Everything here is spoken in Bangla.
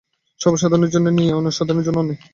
সর্বসাধারণের জন্যে ন্যায়, আর অসাধারণের জন্যে অন্যায়।